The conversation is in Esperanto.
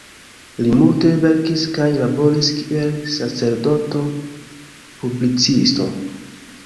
Li multe verkis kaj laboris kiel "sacerdoto-publicisto.